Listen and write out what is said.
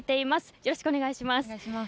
よろしくお願いします。